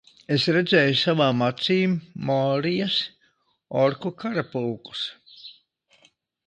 Es redzēju savām acīm Morijas orku karapulkus!